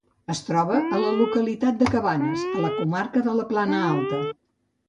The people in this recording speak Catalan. Es troba a la localitat de Cabanes, a la comarca de la Plana Alta.